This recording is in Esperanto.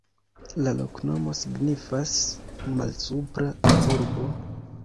La loknomo signifas: Malsupra Urbo.